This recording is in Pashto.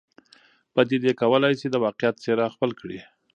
پدیدې کولای سي د واقعیت څېره خپل کړي.